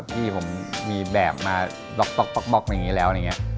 พี่ผมมีแบบมาบอกแล้ว